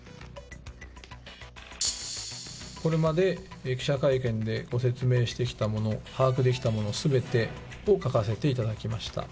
これまで記者会見でご説明してきたもの、把握できたものすべてを書かせていただきました。